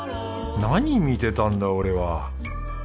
何見てたんだ俺は。